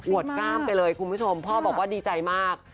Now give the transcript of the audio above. วดกล้ามไปเลยคุณผู้ชมพ่อบอกว่าดีใจมาก